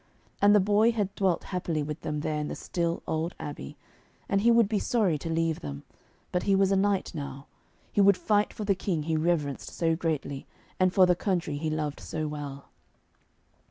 And the boy had dwelt happily with them there in the still old abbey, and he would be sorry to leave them, but he was a knight now. He would fight for the King he reverenced so greatly, and for the country he loved so well.